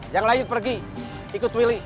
yang lain pergi ikut willy